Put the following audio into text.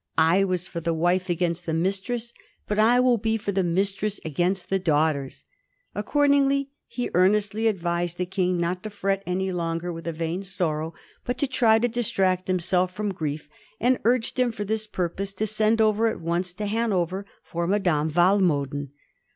" I was for the wife against the mistress, but I will be for the mistress against the daughters." Accord ingly he earnestly advised the King not to fret any longer with a vain sorrow, but to try to distract himself from grief, and urged him, for this purpose, to send over at once to Hanover for Madame Walmoden.